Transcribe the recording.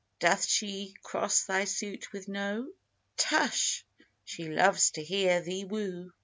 Doth she cross thy suit with "No"? Tush! she loves to hear thee woo.